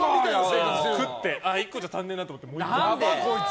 食って１個じゃ足んねえなと思ってもう１個。